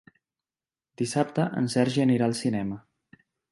Dissabte en Sergi anirà al cinema.